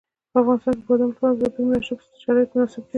په افغانستان کې د بادام لپاره طبیعي شرایط مناسب دي.